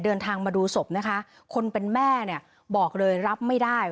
เดินทางมาดูศพนะคะคนเป็นแม่เนี่ยบอกเลยรับไม่ได้